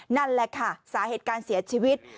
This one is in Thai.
นั่นแหละค่ะสาเหตุการเสียชีวิต